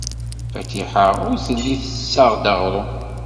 Fatiḥa ur telli tessaɣ-d aɣrum.